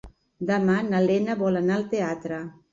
Demà na Lena vol anar al teatre.